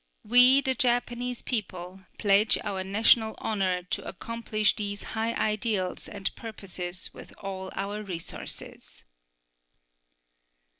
We, the Japanese people, pledge our national honor to accomplish these high ideals and purposes with all our resources.